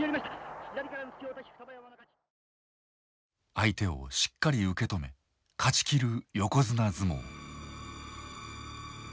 相手をしっかり受け止め勝ち切る横綱相撲。